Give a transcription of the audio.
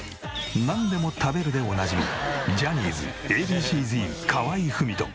「なんでも食べる」でおなじみジャニーズＡ．Ｂ．Ｃ−Ｚ河合郁人。